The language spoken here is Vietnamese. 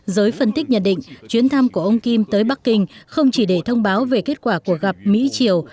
giới phân tích nhận định chuyến thăm của ông kim tới bắc kinh không chỉ để thông báo về kết quả của gặp mỹ triều